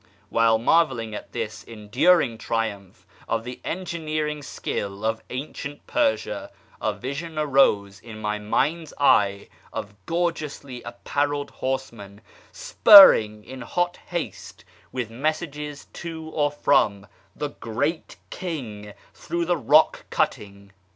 While marvelling at this enduring triumph of the engineering skill of ancient Persia, a vision arose in my mind's eye of gorgeously apparelled horsemen spurring in hot haste with messages to or from the " Great King" through the Eock cutting.